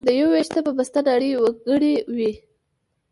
د يو وېښته په بسته نړۍ وکړى وى.